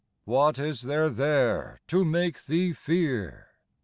What is there there to make thee fear